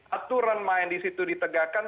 aturan main di situ ditegakkan